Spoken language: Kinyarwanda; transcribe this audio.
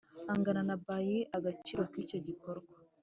angana na by agaciro k icyo gikorwa